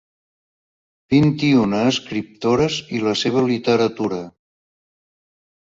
Vint-i-una escriptores i la seva literatura.